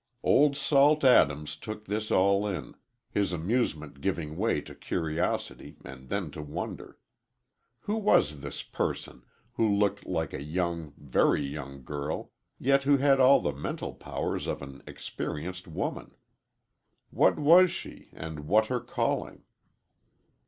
Old Salt Adams took this all in, his amusement giving way to curiosity and then to wonder. Who was this person, who looked like a young, very young girl, yet who had all the mental powers of an experienced woman? What was she and what her calling?